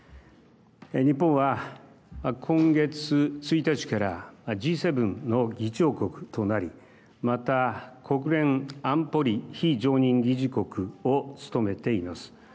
日本は今月１日からＧ７の議長国となりまた、国連安保理非常任理事国を務めています。